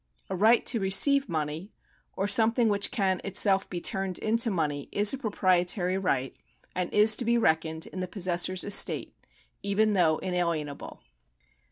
A right to receive money or something which can itself be turned into money, is a proprietary right, and is to be reckoned in the possessor's estate, even though inalienable.